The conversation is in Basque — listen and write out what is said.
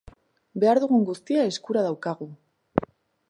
Behar dugun guztia eskura daukagu.